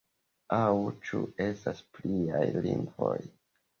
Aŭ ĉu estas pliaj lingvoj?